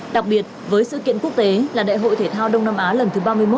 đặc biệt với sự kiện quốc tế là đại hội thể thao đông nam á lần thứ ba mươi một